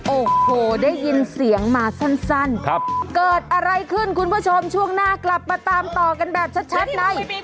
โอ้โหได้ยินเสียงมาสั้นเกิดอะไรขึ้นคุณผู้ชมช่วงหน้ากลับมาตามต่อกันแบบชัดใน